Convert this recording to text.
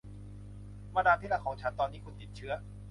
มาดามที่รักของฉัน ตอนนี้คุณติดเชื้อ